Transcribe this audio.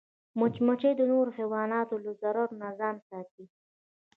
مچمچۍ د نورو حیواناتو له ضرر نه ځان ساتي